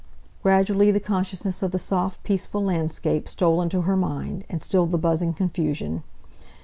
Gradually the consciousness of the soft peaceful landscape stole into her mind, and stilled the buzzing confusion.